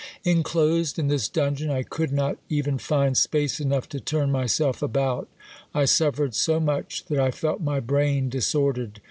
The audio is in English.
"Inclosed in this dungeon I could not even find space enough to turn myself about; I suffered so much that I felt my brain disordered.